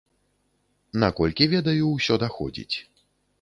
Наколькі ведаю, усё даходзіць.